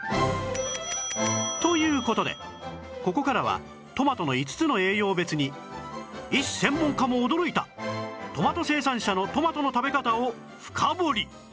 という事でここからはトマトの５つの栄養別に医師・専門家も驚いたトマト生産者のトマトの食べ方を深掘り！